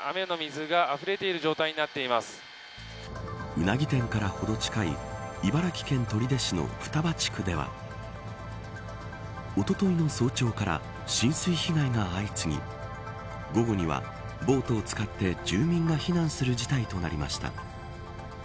うなぎ店からほど近い茨城県取手市の双葉地区ではおとといの早朝から浸水被害が相次ぎ午後にはボートを使って住民が避難する事態となりました。